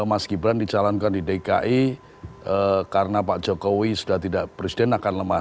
mas gibran dicalonkan di dki karena pak jokowi sudah tidak presiden akan lemah